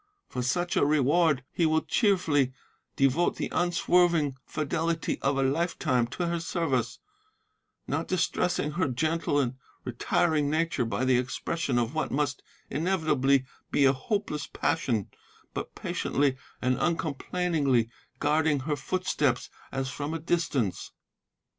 For such a reward he will cheerfully devote the unswerving fidelity of a lifetime to her service, not distressing her gentle and retiring nature by the expression of what must inevitably be a hopeless passion, but patiently and uncomplainingly guarding her footsteps as from a distance.